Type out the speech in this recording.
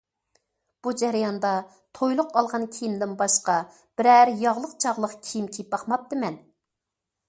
بۇ جەرياندا تويلۇق ئالغان كىيىمدىن باشقا بىرەر ياغلىق چاغلىق كىيىم كىيىپ باقماپتىمەن.